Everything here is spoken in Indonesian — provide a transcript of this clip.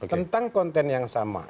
tentang konten yang sama